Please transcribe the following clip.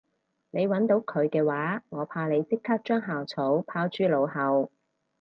你搵到佢嘅話我怕你即刻將校草拋諸腦後